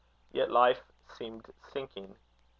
Yet life seemed sinking.